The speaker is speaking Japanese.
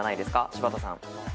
柴田さん。